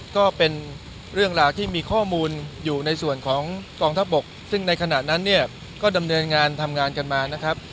ก็เป็นเรื่องราวที่มีข้อมูลอยู่ในส่วนของกองทัพบกซึ่งในขณะนั้นเนี่ยก็ดำเนินงานทำงานกันมานะครับ